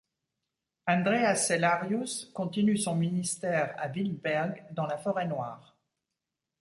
Andreas Cellarius continue son ministère à Wildberg, dans la Forêt-Noire.